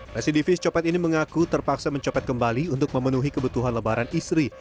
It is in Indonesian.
residivis copet ini mengaku terpaksa mencopet kembali untuk memenuhi kebutuhan lebaran istri